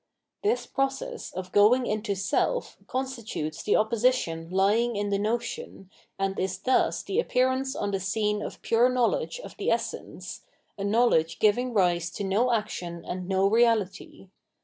This process of "going into self " constitutes the opposition lying in the notion, and is thus the appearance on the scene of pure knowledge of the essence, a knowledge giving rise to no action and no reality.